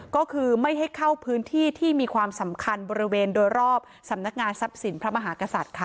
ก็คือไม่ให้เข้าพื้นที่ที่มีความสำคัญบริเวณโดยรอบสำนักงานทรัพย์สินพระมหากษัตริย์ค่ะ